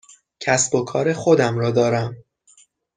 کسب و کار خودم را دارم.